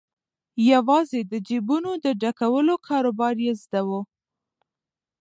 یوازې د جیبونو د ډکولو کاروبار یې زده وو.